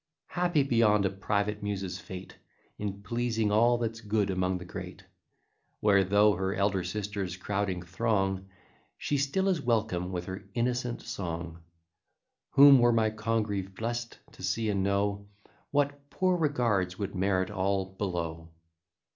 Happy beyond a private Muse's fate, In pleasing all that's good among the great, Where though her elder sisters crowding throng, She still is welcome with her innocent song; Whom were my Congreve blest to see and know, What poor regards would merit all below!